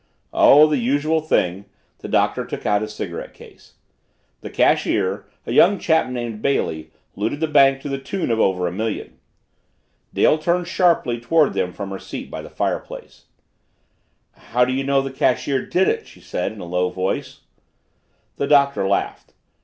"Oh, the usual thing." The Doctor took out his cigarette case. "The cashier, a young chap named Bailey, looted the bank to the tune of over a million." Dale turned sharply toward them from her seat by the fireplace. "How do you know the cashier did it?" she said in a low voice. The Doctor laughed.